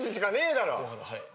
はい。